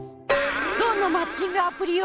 どんなマッチングアプリよ。